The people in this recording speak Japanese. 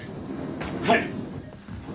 はい。